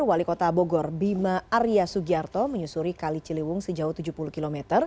wali kota bogor bima arya sugiarto menyusuri kali ciliwung sejauh tujuh puluh km